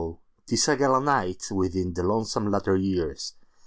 'tis a gala nightWithin the lonesome latter years!